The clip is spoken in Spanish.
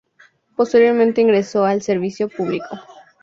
Posteriormente ingresó al servicio público.